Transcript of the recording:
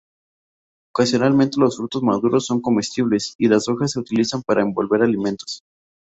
Ocasionalmente los frutos maduros son comestibles; y las hojas se utilizan para envolver alimentos.